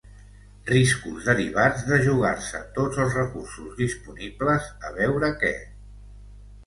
Riscos derivats de jugar-se tots els recursos disponibles, a veure què.